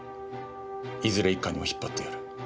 いずれ一課にも引っ張ってやる。